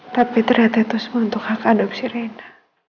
tapi ternyata itu semua untuk hak adopsi reina